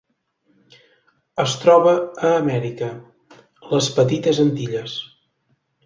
Es troba a Amèrica: les Petites Antilles.